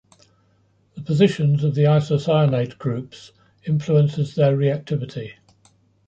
The positions of the isocyanate groups influences their reactivity.